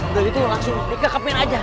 udah gitu langsung dikekapin aja